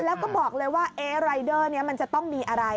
แล้วก็บอกเลยว่ารายเดอร์นี้มันจะต้องมีอะไร